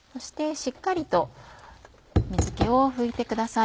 しっかりと水気を拭いてください。